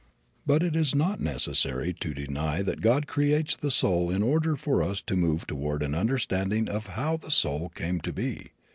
But it is not necessary to deny that God creates the soul in order for us to move toward an understanding of how the soul came to be.